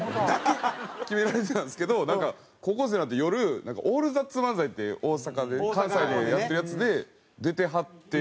決められてたんですけどなんか高校生になって夜『オールザッツ漫才』って大阪で関西でやってるやつで出てはって。